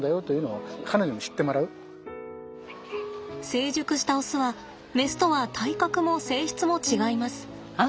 成熟したオスはメスとは体格も性質も違います。